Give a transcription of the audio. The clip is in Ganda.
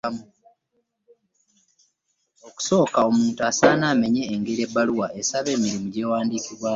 Okusooka omuntu asaana amanye engeri ebbaluwa esaba emirimu gy'ewandiikibwamu.